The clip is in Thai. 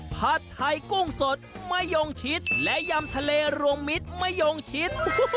ผัดไทยกุ้งสดมะยงชิดและยำทะเลรวมมิตรมะยงชิด